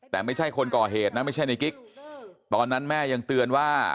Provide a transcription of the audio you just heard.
แต่ไม่ใช่คนก่อเหตุนะไม่ใช่ในกิ๊กตอนนั้นแม่ยังเตือนว่า